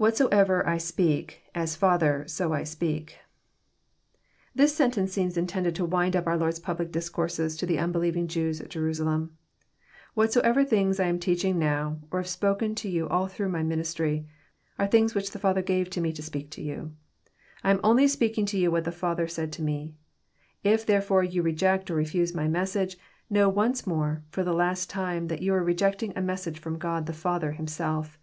IWhaUoever 1 9peak,..(u Father...8o I speak."] This sentence seems intended to wind np onr Lord's public discourses to the unbelieving Jews at Jerusalem. Whatsoever things I am teaching now, or have spoken to you all through my ministry, are things which the Father gave to Me to speak to you. I am only speaking to you what the Father said to Me. If therefore you reject or refbse my message, know once more, for the last time, that you are rejecting a message from God the Father Himself.